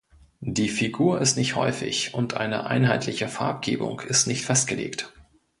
Die Figur ist nicht häufig, und eine einheitliche Farbgebung ist nicht festgelegt.